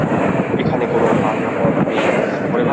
এখানে কোনো বাঁধা পথ নেই।